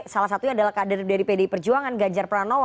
salah satunya adalah kader dari pdi perjuangan ganjar pranowo